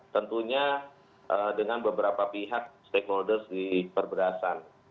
tentunya dengan beberapa pihak stakeholders di perberasan